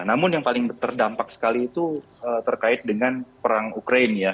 namun yang paling terdampak sekali itu terkait dengan perang ukraine